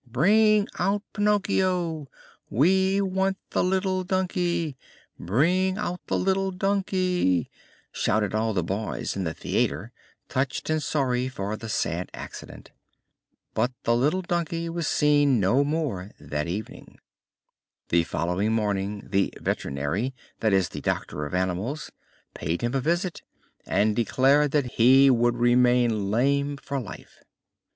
"Bring out Pinocchio! We want the little donkey! Bring out the little donkey!" shouted all the boys in the theater, touched and sorry for the sad accident. But the little donkey was seen no more that evening. The following morning the veterinary, that is, the doctor of animals, paid him a visit, and declared that he would remain lame for life.